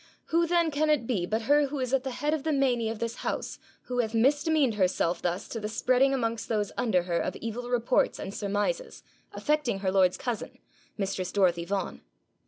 Who then can it be but her who is at the head of the meinie of this house, who hath misdemeaned herself thus to the spreading amongst those under her of evil reports and surmises affecting her lord's cousin, mistress Dorothy Vaughan?'